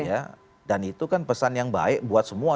ya dan itu kan pesan yang baik buat semua